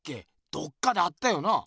どっかで会ったよなあ？